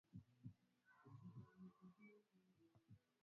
Damu kuganda haraka